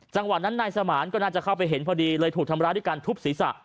จังหวะนั้นนายสมานก็น่าจะเข้าไปเห็นพอดีเลยถูกทำร้ายด้วยการทุบศีรษะ